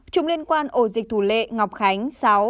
chín chùm liên quan ổ dịch thủ lệ ngọc khánh sáu